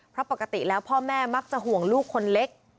เพราะปกติแล้วพ่อแม่มักจะห่วงลูกคนเล็ก